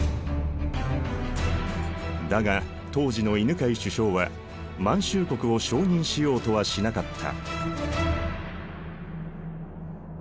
だが当時の犬養首相は満洲国を承認しようとはしなかった。